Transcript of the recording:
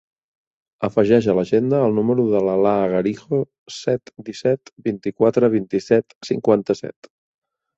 Afegeix a l'agenda el número de l'Alaa Garijo: set, disset, vint-i-quatre, vint-i-set, cinquanta-set.